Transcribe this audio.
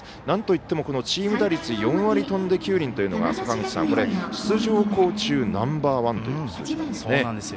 なんといってもチーム打率４割飛んで９厘というのが坂口さん、出場校中ナンバー１という。